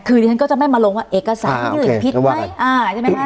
คือดิฉันก็จะไม่มาลงว่าเอกสารยืดผิดไหมอ่าใช่ไหมคะ